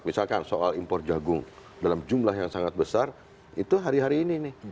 misalkan soal impor jagung dalam jumlah yang sangat besar itu hari hari ini nih